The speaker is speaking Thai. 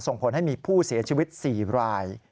ส่งผลให้มีผู้เสียชีวิต๔ราย